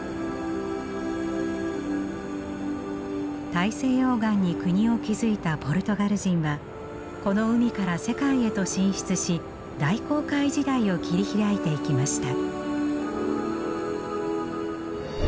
大西洋岸に国を築いたポルトガル人はこの海から世界へと進出し大航海時代を切り開いていきました。